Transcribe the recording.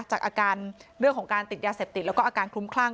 จากอาการเรื่องของการติดยาเสพติดแล้วก็อาการคลุ้มคลั่ง